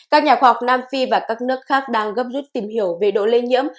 các nhà khoa học nam phi và các nước khác đang gấp rút tìm hiểu về độ lây nhiễm